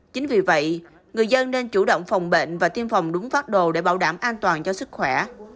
chính vì vậy người dân nên chủ động phòng bệnh và tiêm phòng đúng phát đồ để bảo đảm an toàn cho sức khỏe